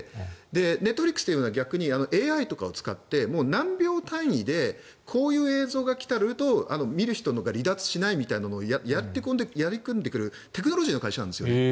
ネットフリックスというのは逆にＡＩとかを使って何秒単位でこういう映像が来ると見る人が離脱しないみたいなのをやり込んでくるテクノロジーの会社なんですね。